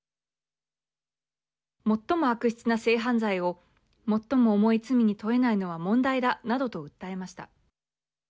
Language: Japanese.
最も悪質な性犯罪を最も重い罪に問えないのは問題だなどと訴えました。